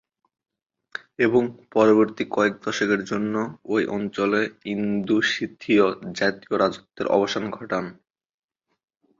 এবং পরবর্তী কয়েক দশকের জন্য ঐ অঞ্চলে ইন্দো-সিথিয় জাতির রাজত্বের অবসান ঘটান।